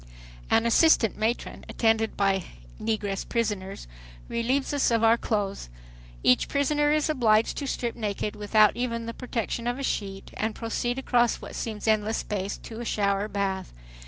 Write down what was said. An assistant matron, attended by negress prisoners, relieves us of our clothes. Each prisoner is obliged to strip naked without even the protection of a sheet, and proceed across what seems endless space, to a shower bath.